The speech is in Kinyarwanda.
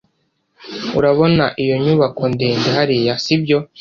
Urabona iyo nyubako ndende hariya, sibyo?